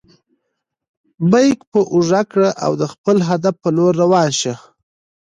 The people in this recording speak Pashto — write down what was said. بیک په اوږه کړه او د خپل هدف په لور روان شه.